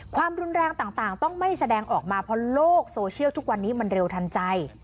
ความรุนแรงต่างต้องไม่แสดงออกมาเพราะโลกโซเชียลทุกวันนี้มันเร็วทันใจ